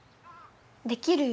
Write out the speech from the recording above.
できるよ。